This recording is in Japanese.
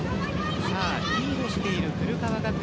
リードしている古川学園。